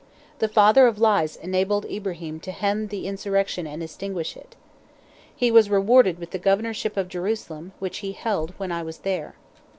The "father of lies" enabled Ibrahim to hem in the insurrection and extinguish it. He was rewarded with the Governorship of Jerusalem, which he held when I was there.